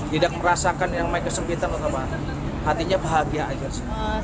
tidak merasakan yang mereka sempitkan hatinya bahagia saja